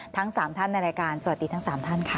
ทั้ง๓ท่านในรายการสวัสดีทั้ง๓ท่านค่ะ